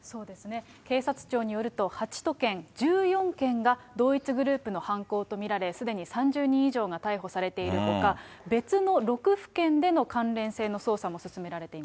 警察庁によると、８都県１４件が同一グループの犯行と見られ、すでに３０人以上が逮捕されているとか、別の６府県での関連性の捜査も進められています。